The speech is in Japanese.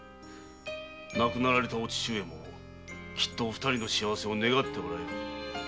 亡くなられたお父上もきっと二人の幸せを願っておられる。